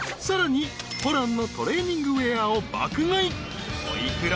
［さらにホランのトレーニングウエアを爆買い。